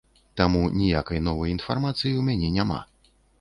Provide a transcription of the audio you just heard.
Таму ніякай новай інфармацыі ў мяне няма.